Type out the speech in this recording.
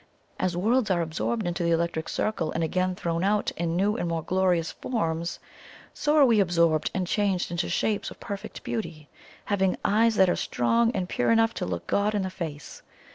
"As worlds are absorbed into the Electric Circle and again thrown out in new and more glorious forms, so are we absorbed and changed into shapes of perfect beauty, having eyes that are strong and pure enough to look God in the face.